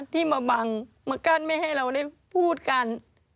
ที่มาบังมากั้นไม่ให้เราได้พูดกัน